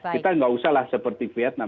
kita nggak usah lah seperti vietnam